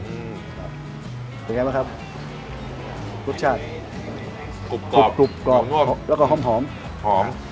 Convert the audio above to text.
อืมเป็นไงไหมครับรสชาติกรุบกรอบกรุบกรอบแล้วก็หอมหอมหอม